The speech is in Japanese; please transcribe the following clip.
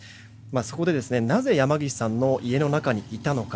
そこで、なぜ山岸さんの家の中にいたのか。